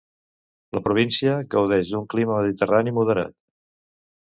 La província gaudeix d'un clima mediterrani moderat.